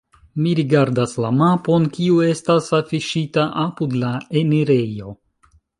Mi rigardas la mapon, kiu estas afiŝita apud la enirejo.